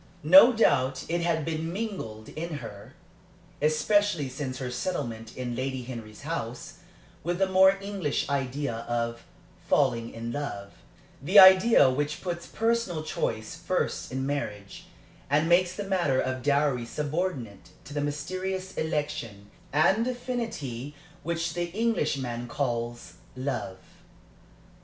No doubt it had been mingled in her, especially since her settlement in Lady Henry's house, with the more English idea of "falling in love" the idea which puts personal choice first in marriage, and makes the matter of dowry subordinate to that mysterious election and affinity which the Englishman calls "love."